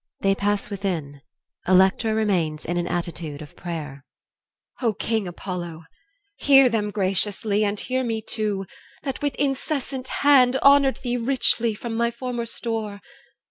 [They pass within. ELECTRA remains in an attitude of prayer EL. O King Apollo! hear them graciously, And hear me too, that with incessant hand Honoured thee richly from my former store!